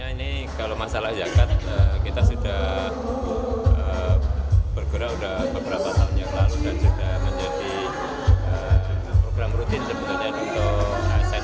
ini kalau masalah zakat kita sudah bergerak beberapa halnya lalu dan sudah menjadi program rutin